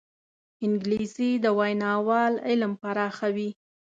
انګلیسي د ویناوال علم پراخوي